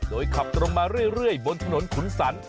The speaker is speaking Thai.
โดยขับตรงมาเรื่อยบนถนนขุนสรรค